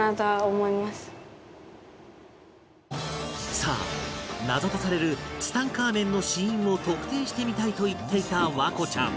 さあ謎とされるツタンカーメンの死因を特定してみたいと言っていた環子ちゃん